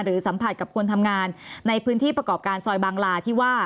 สัมผัสกับคนทำงานในพื้นที่ประกอบการซอยบางลาที่ว่า